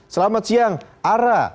selamat siang ara